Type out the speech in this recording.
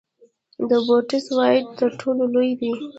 د بوټس وایډ تر ټولو لوی دی.